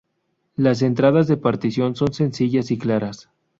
Las entradas de partición son sencillas y claras.